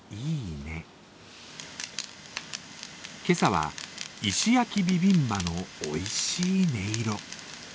今朝は石焼きビビンバのおいしい音色。